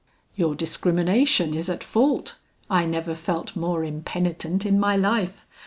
"Your discrimination is at fault, I never felt more impenitent in my life.